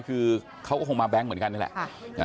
คือเขาก็คงมาแบงค์เหมือนกันนี่แหละ